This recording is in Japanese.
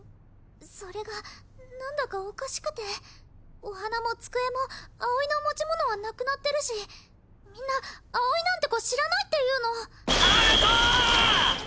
それが何だかおかしくてお花も机も葵の持ち物はなくなってるしみんな葵なんて子知らないって言うの花子ーーーー！